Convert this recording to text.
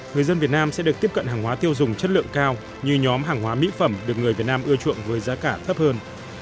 người dân việt nam sẽ được tiếp cận hàng hóa tiêu dùng chất lượng cao như nhóm hàng hóa mỹ phẩm được người việt nam ưa chuộng với giá cả thấp hơn